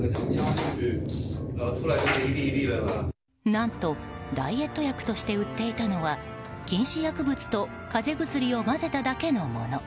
何とダイエット薬として売っていたのは禁止薬物と風邪薬を混ぜただけのもの。